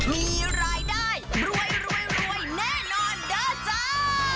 มีรายได้รวยแน่นอนเด้อจ้า